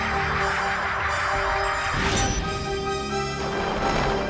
bukan saya yang mengirimkan telur